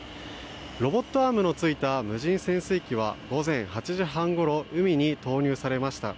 ロボットアームのついた無人潜水機は午前８時半ごろ海に投入されました。